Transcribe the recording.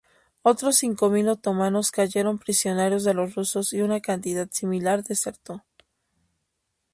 Otros cinco mil otomanos cayeron prisioneros de los rusos y una cantidad similar desertó.